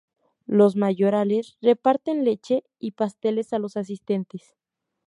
Los mayorales reparten leche y pasteles a los asistentes.